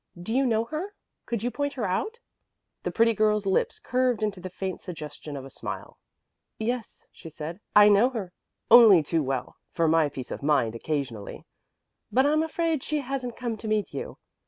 Do you know her? Could you point her out?" The pretty girl's lips curved into the faint suggestion of a smile. "Yes," she said, "I know her only too well for my peace of mind occasionally. But I'm afraid she hasn't come to meet you.